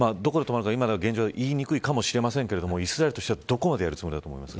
現状では言いにくいかもしれませんが、イスラエルはどこまでやるつもりだと思いますか。